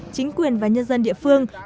chính quyền và nhân dân địa phương